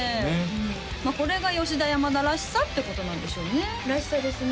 まあこれが吉田山田らしさってことなんでしょうねらしさですね